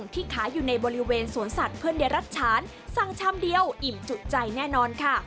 เพื่อนเดียรัฐช้านสั่งชามเดียวอิ่มจุดใจแน่นอนค่ะ